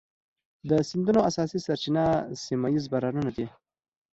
د سیندونو اساسي سرچینه سیمه ایز بارانونه دي.